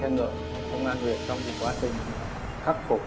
ngờ công an huyện trong quá trình khắc phục